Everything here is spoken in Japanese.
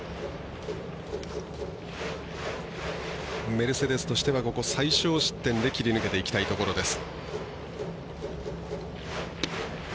メルセデスとしては最少失点で切り抜けていきたいところです。